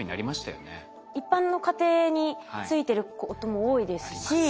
一般の家庭についてることも多いですし。